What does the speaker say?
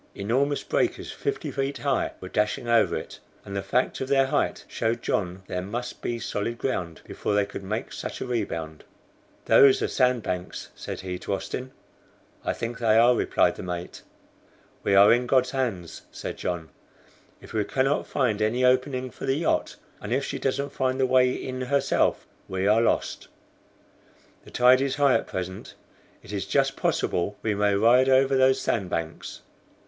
Enormous breakers fifty feet high were dashing over it, and the fact of their height showed John there must be solid ground before they could make such a rebound. "Those are sand banks," he said to Austin. "I think they are," replied the mate. "We are in God's hands," said John. "If we cannot find any opening for the yacht, and if she doesn't find the way in herself, we are lost." "The tide is high at present, it is just possible we may ride over those sand banks."